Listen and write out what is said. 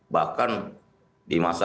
bahkan di masa